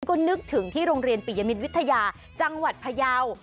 ก็นึกถึงที่โรงเรียนปิยมิตรวิทยาจังหวัดพยาว